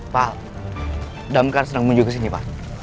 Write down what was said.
pak damkar senang menuju ke sini pak